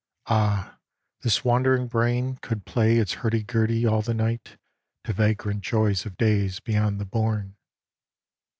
Ah, this wandering brain Could play its hurdy gurdy all the night To vagrant joys of days beyond the bourn.